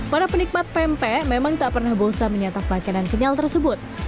para penikmat pempek memang tak pernah bosan menyatap makanan kenyal tersebut